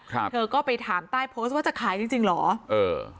ครับเธอก็ไปถามใต้โพสต์ว่าจะขายจริงจริงเหรอเออ